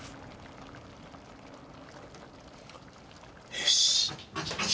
よし。